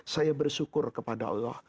saya bersyukur kepada allah